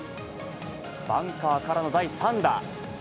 バンカーからの第３打。